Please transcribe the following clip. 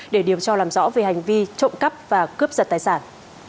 để điều tra làm rõ về hành vi trộm cắp và cướp giật tài sản